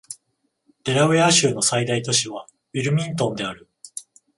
デラウェア州の最大都市はウィルミントンである